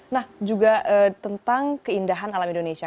nah juga tentang keindahan alam indonesia